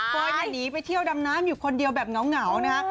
เคยหนีไปเที่ยวดำน้ำอยู่คนเดียวแบบเหงานะฮะ